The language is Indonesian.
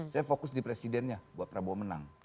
saya fokus di presidennya buat prabowo menang